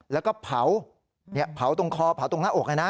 แล้วก็เผาเนี่ยเผาตรงคอเผาตรงหน้าอกไงนะ